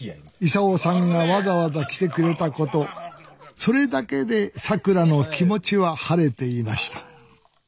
功さんがわざわざ来てくれたことそれだけでさくらの気持ちは晴れていました。